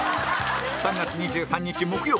３月２３日木曜